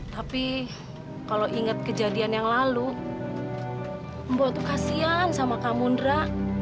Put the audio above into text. tapi kalau ingat kejadian yang lalu mbok tuh kasihan sama kamu ndra